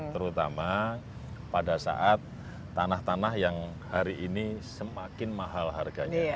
terutama pada saat tanah tanah yang hari ini semakin mahal harganya